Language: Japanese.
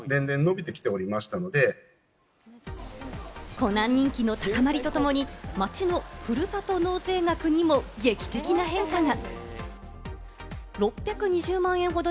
コナン人気の高まりとともに、町のふるさと納税額にも劇的な変化が。